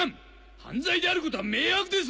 犯罪であることは明白ですぞ！